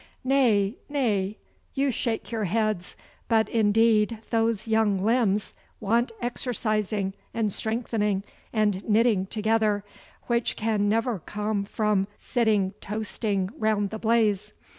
Nay, nay, you shake your heads, but indeed those young limbs want exercising and strengthening and knitting together, which can never come from sitting toasting round the blaze.